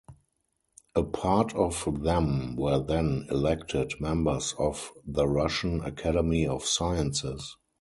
A part of them were then elected members of the Russian Academy of Sciences.